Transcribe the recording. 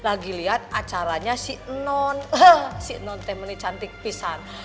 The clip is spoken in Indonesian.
lagi liat acaranya si enon si enonte menik cantik pisang